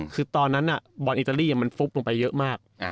คือตอนนั้นบอลอิตาลีมันฟุบลงไปเยอะมาก